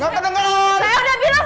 saya udah bilang